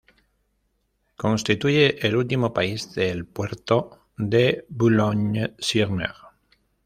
Constituye el último país del puerto de Boulogne-sur-Mer.